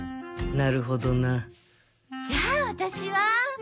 なるほどなじゃあ私は。